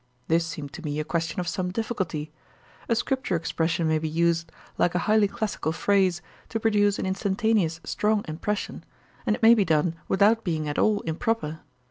This seemed to me a question of some difficulty. A scripture expression may be used, like a highly classical phrase, to produce an instantaneous strong impression; and it may be done without being at all improper.